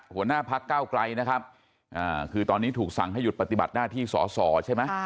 หัวหน้าพักเก้าไกลนะครับคือตอนนี้ถูกสั่งให้หยุดปฏิบัติหน้าที่สอสอใช่ไหม